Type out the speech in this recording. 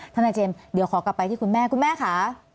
ทนายเจมส์เดี๋ยวขอกลับไปที่คุณแม่คุณแม่ค่ะ